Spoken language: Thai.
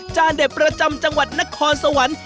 เด็ดประจำจังหวัดนครสวรรค์